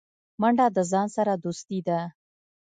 منډه د ځان سره دوستي ده